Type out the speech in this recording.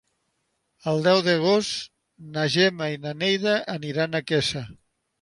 El deu d'agost na Gemma i na Neida aniran a Quesa.